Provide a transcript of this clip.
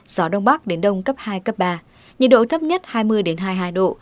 gió đông bắc đến đông cấp hai cấp ba nhiệt độ thấp nhất hai mươi hai mươi hai độ